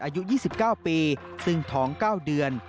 อายุ๒๙ปีซึ่งท้อง๙เดือน